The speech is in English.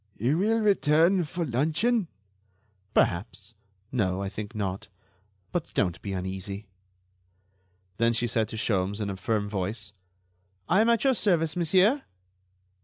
"You will return for luncheon?" "Perhaps ... no, I think not ... but don't be uneasy." Then she said to Sholmes, in a firm voice: "I am at your service, monsieur."